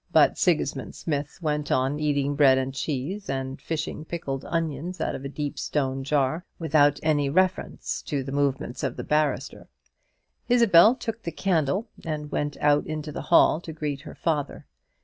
But Sigismund Smith went on eating bread and cheese, and fishing pickled onions out of a deep stone jar, without any reference to the movements of the barrister. Isabel took a candle, and went out into the hall to greet her father.